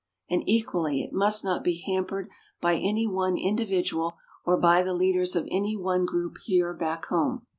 And equally, it must not be hampered by any one individual or by the leaders of any one group here back home.